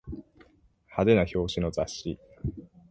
派手な表紙の雑誌